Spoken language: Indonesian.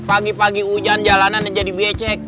pagi pagi hujan jalanannya jadi becek